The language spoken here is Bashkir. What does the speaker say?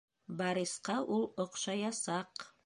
Борисҡа ул оҡшаясаҡ!